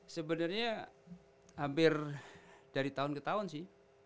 sebenarnya hampir dari tahun ke tahun sih